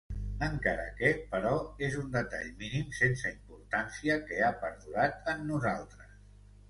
Encara que, però, és un detall mínim sense importància que ha perdurat en nosaltres.